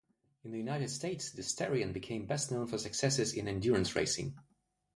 In the United States, the Starion became best known for successes in endurance racing.